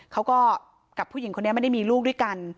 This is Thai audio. กับผู้หญิงคนนี้ไม่ได้มีลูกด้วยกัน